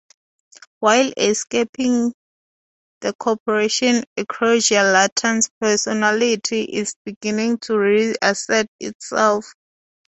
While escaping the corporation Eucrasia's latent personality is beginning to reassert itself.